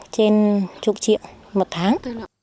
trên chục triệu một tháng